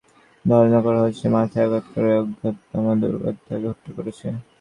ধারণা করা হচ্ছে, মাথায় আঘাত করে অজ্ঞাতনামা দুর্বৃত্তরা তাঁকে হত্যা করেছে।